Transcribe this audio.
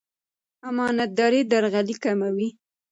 امانتداري درغلي کموي.